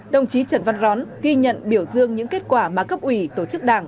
đồng chí trần văn rón ghi nhận biểu dương những kết quả mà cấp ủy tổ chức đảng